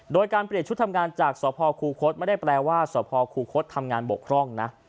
โดยการเปลี่ยนชุดทำงานจากสพคูคศไม่ได้แปลว่าสพคูคศทำงานบกพร่องนะ